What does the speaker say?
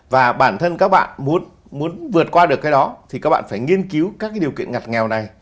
và bản thân các bạn muốn vượt qua được cái đó thì các bạn phải nghiên cứu các cái điều kiện ngặt nghèo này